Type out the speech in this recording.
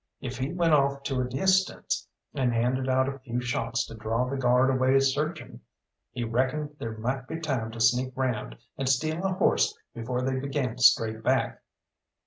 If he went off to a distance, and handed out a few shots to draw the guard away searching, he reckoned there might be time to sneak round and steal a horse before they began to stray back.